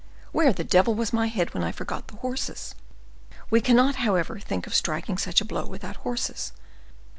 Where the devil was my head when I forgot the horses? We cannot, however, think of striking such a blow without horses.